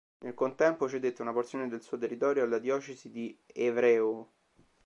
Nel contempo cedette una porzione del suo territorio alla diocesi di Évreux.